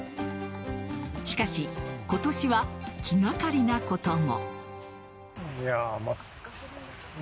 しかし、今年は気がかりなことも。